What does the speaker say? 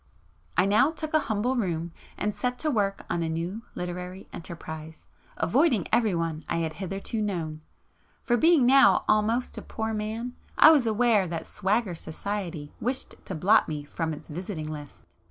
I now took a humble room and set to work on a new [p 484] literary enterprise, avoiding everyone I had hitherto known, for being now almost a poor man, I was aware that 'swagger society' wished to blot me from its visiting list.